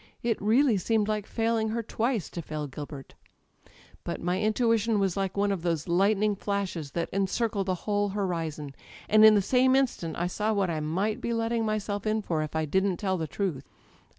It really seemed like failing her twice to fall Gilbert But my intuition was like one of those lightning flashes that encircle the whole horizon, and in the same instant I saw what I might be letting myself in for if I didn't tell the truth.